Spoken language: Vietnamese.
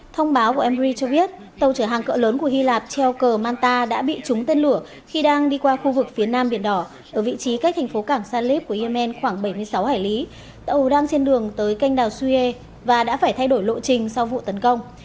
thông báo của mbri cho biết tàu chở hàng cỡ lớn của hy lạp treo cờ manta đã bị trúng tên lửa khi đang đi qua khu vực phía nam biển đỏ ở vị trí cách thành phố cảng salis của yemen khoảng bảy mươi sáu hải lý tàu đang trên đường tới canh đảo suie và đã phải thay đổi lộ trình sau vụ tấn công